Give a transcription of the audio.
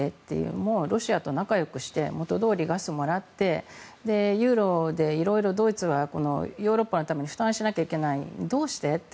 もうロシアと仲よくして元どおりガスをもらってユーロで色々、ドイツはヨーロッパのために負担しなければいけないどうして？って。